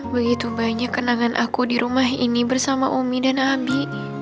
begitu banyak kenangan aku di rumah ini bersama umi dan abi